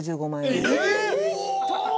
えっ！？